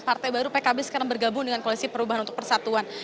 partai baru pkb sekarang bergabung dengan koalisi perubahan untuk persatuan